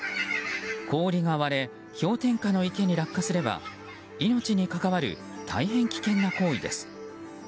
氷が割れ氷点下の池に落下すれば命に関わる大変危険な行為です。